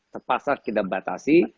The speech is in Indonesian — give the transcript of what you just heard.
terpaksa kita batasi